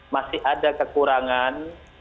masih ada kekurangan